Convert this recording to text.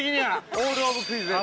オール・オブ・クイズです。